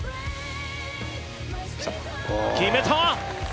決めた！